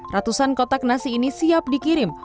ratusan kotak nasi ini siap dikirim